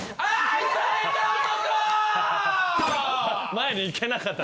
前に行けなかった。